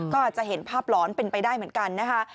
ก็อาจจะเห็นภาพหลอนเป็นไปได้เหมือนกันนะคะ